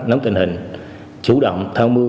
nắm tình hình chủ động thao mưu